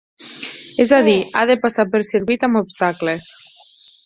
És a dir, ha de passar per circuit amb obstacles.